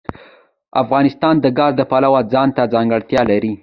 افغانستان د ګاز د پلوه ځانته ځانګړتیا لري.